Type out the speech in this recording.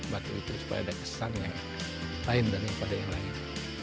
batu itu supaya ada kesan yang lain daripada yang lain